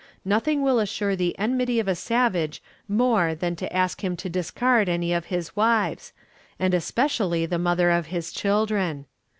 Nothing will assure the enmity of a savage more than to ask him to discard any of his wives, and especially the mother of his children.